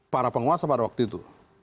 para penguasa pada waktu itu